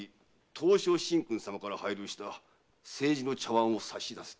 東照神君様から拝領した青磁の茶碗を差し出せと。